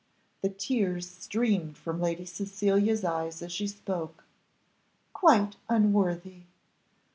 The tears streamed from Lady Cecilia's eyes as she spoke "Quite unworthy!"